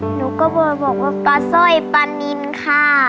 หนูก็บอกว่าปลาสร้อยปลานินค่ะ